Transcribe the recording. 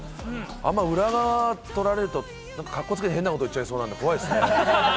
あんまり裏側を撮られるとかっこつけて、変なこと言っちゃいそうなんで怖いですね。